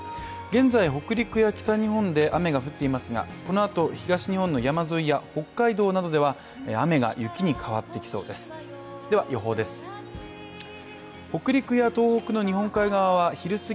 現在、北陸や北日本で雨が降っていますがこのあと、東日本の山沿いや北海道などでは雨が雪に変わっていきそうです。